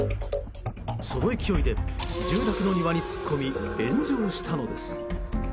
その勢いで住宅の庭に突っ込み炎上したのです。